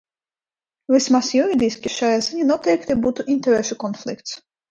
Vismaz juridiski šajā ziņā noteikti būtu interešu konflikts.